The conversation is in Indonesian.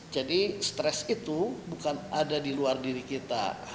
jadi stres itu bukan ada di luar diri kita